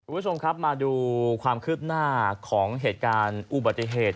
คุณผู้ชมครับมาดูความคืบหน้าของเหตุการณ์อุบัติเหตุ